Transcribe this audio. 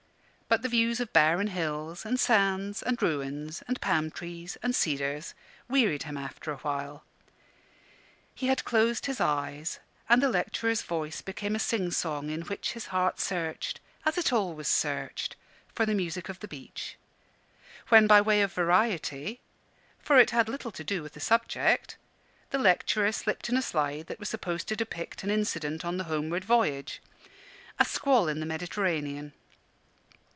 But the views of barren hills, and sands, and ruins, and palm trees, and cedars, wearied him after a while. He had closed his eyes, and the lecturer's voice became a sing song in which his heart searched, as it always searched, for the music of the beach; when, by way of variety for it had little to do with the subject the lecturer slipped in a slide that was supposed to depict an incident on the homeward voyage a squall in the Mediterranean.